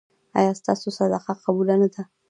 ایا ستاسو صدقه قبوله نه ده؟